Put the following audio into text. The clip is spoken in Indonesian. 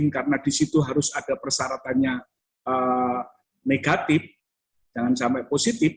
karena di situ harus ada persyaratannya negatif jangan sampai positif